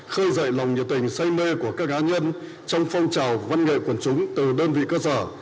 khơi dậy lòng nhiệt tình say mê của các cá nhân trong phong trào văn nghệ quần chúng từ đơn vị cơ sở